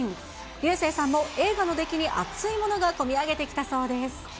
流星さんも映画の出来に熱いものがこみ上げてきたそうです。